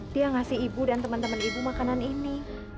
dia ngasih ibu dan temen temen ibu makanan ini